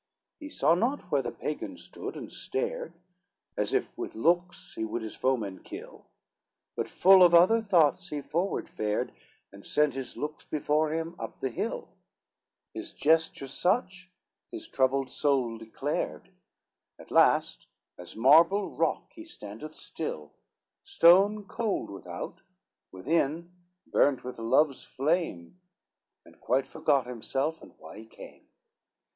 XXVII He saw not where the Pagan stood, and stared, As if with looks he would his foeman kill, But full of other thoughts he forward fared, And sent his looks before him up the hill, His gesture such his troubled soul declared, At last as marble rock he standeth still, Stone cold without; within, burnt with love's flame, And quite forgot himself, and why he came.